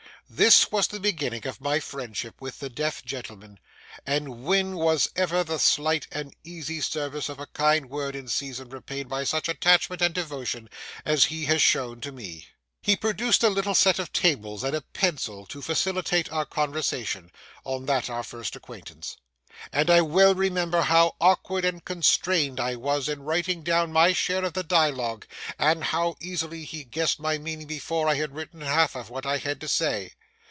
This was the beginning of my friendship with the deaf gentleman; and when was ever the slight and easy service of a kind word in season repaid by such attachment and devotion as he has shown to me! He produced a little set of tablets and a pencil to facilitate our conversation, on that our first acquaintance; and I well remember how awkward and constrained I was in writing down my share of the dialogue, and how easily he guessed my meaning before I had written half of what I had to say.